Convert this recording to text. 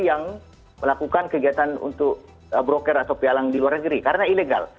yang melakukan kegiatan untuk broker atau pialang di luar negeri karena ilegal